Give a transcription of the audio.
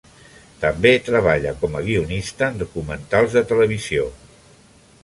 També treballa com a guionista en documentals de televisió.